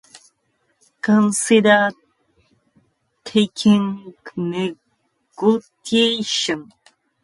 Consider taking negotiation training or seeking feedback to enhance your skills.